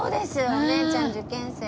お姉ちゃん受験生で。